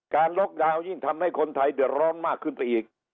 ล็อกดาวน์ยิ่งทำให้คนไทยเดือดร้อนมากขึ้นไปอีก